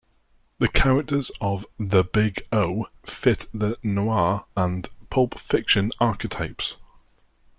The characters of "The Big O" fit the "noir" and pulp fiction archetypes.